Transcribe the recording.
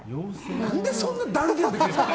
なんでそんな断言できるんですか？